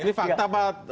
ini fakta pak